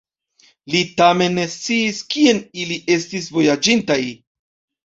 Li tamen ne sciis, kien ili estis vojaĝintaj.